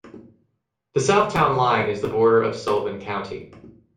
The south town line is the border of Sullivan County.